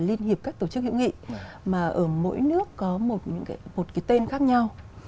liên hiệp các tổ chức hữu nghị mà ở mỗi nước có một cái tên khác nhau